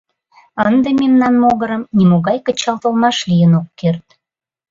— Ынде мемнан могырым нимогай кычалтылмаш лийын ок керт.